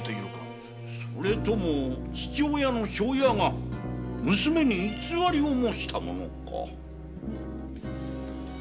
それとも父親の庄屋が娘に偽りを申したものか。